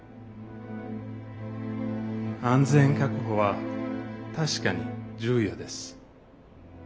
安全確保は確かに重要です。